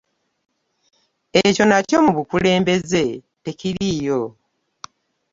Ekyo nakyo mu bukulembeze tekiriiyo.